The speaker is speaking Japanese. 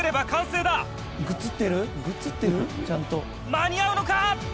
「間に合うのか？」